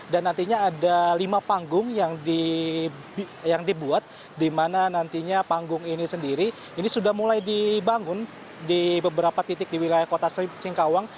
dan nantinya ada lima panggung yang dibuat di mana nantinya panggung ini sendiri ini sudah mulai dibangun di beberapa titik di wilayah kota singkawang